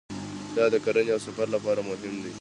دا د کرنې او سفر لپاره مهم دی.